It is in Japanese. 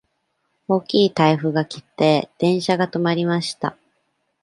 大きい台風が来て、電車が止まりました。